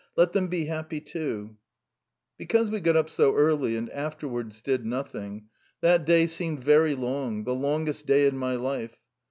" Let them be happy too/' Because we got up very early and had nothing to do, the day seemed very long, the longest in my life.